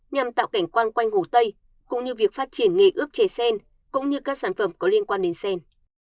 nhằm tạo cảnh quan quanh hồ tây cũng như việc phát triển nghề ướp chè sen cũng như các sản phẩm có liên quan đến sen